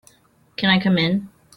Can I come in?